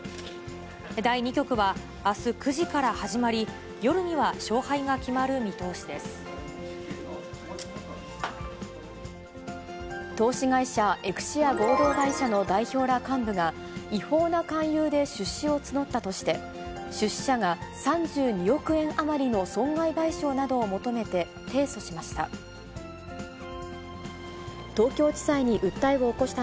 第２局は、あす９時から始まり、投資会社、エクシア合同会社の代表ら幹部が、違法な勧誘で出資を募ったとして、出資者が３２億円余りの損害賠償などを求めて提訴しました。